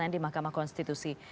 di mahkamah konstitusi